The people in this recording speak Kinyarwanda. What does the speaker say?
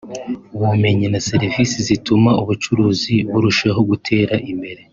ubumenyi na serivisi zituma ubucuruzi burushaho gutera imbere